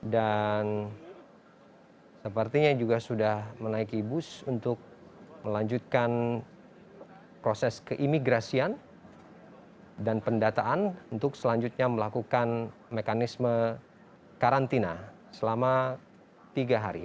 sepertinya juga sudah menaiki bus untuk melanjutkan proses keimigrasian dan pendataan untuk selanjutnya melakukan mekanisme karantina selama tiga hari